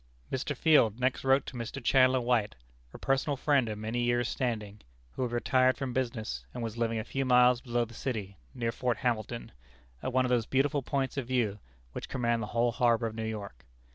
Mr. Field next wrote to Mr. Chandler White, a personal friend of many years' standing, who had retired from business, and was living a few miles below the city, near Fort Hamilton, at one of those beautiful points of view which command the whole harbor of New York.